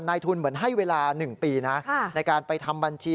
นายทุนเหมือนให้เวลา๑ปีนะในการไปทำบัญชี